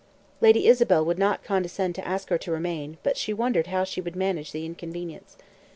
Lady Isabel would not condescend to ask her to remain, but she wondered how she should manage the inconvenience.